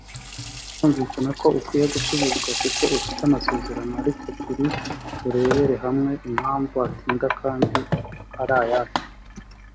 Birumvikana ko ukwiye gusubizwa kuko ufite amasezerano ariko turi burebere hamwe impamvu atinda kandi ari ayacu